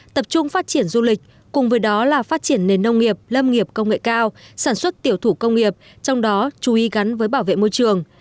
tập trung phát triển du lịch cùng với đó là phát triển nền nông nghiệp lâm nghiệp công nghệ cao sản xuất tiểu thủ công nghiệp trong đó chú ý gắn với bảo vệ môi trường